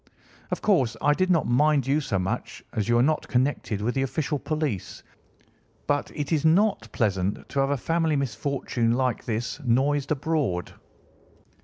Of course, I did not mind you so much, as you are not connected with the official police, but it is not pleasant to have a family misfortune like this noised abroad.